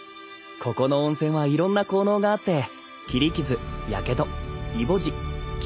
ここの温泉はいろんな効能があって切り傷やけどいぼじ切れじ